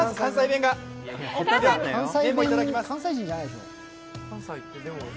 麺もいただきます。